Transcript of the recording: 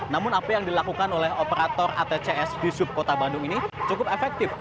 namun apa yang dilakukan oleh operator atcs di subkota bandung ini cukup efektif